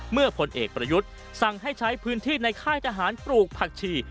ผลเอกประยุทธ์สั่งให้ใช้พื้นที่ในค่ายทหารปลูกผักชี